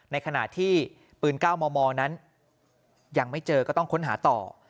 ในขณะที่ปืน๙มมนั้นยังไม่เจอก็ต้องค้นหาต่อ